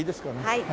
はい。